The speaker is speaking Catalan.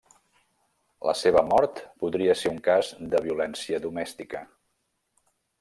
La seva mort podria ser un cas de violència domèstica.